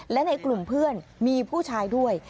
และในกลุ่มเพื่อนมีผู้ชายด้วย